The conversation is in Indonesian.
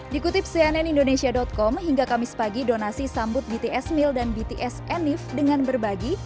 dikutip cnn indonesia com hingga kamis pagi donasi sambut bts meal dan bts enif dengan berbagi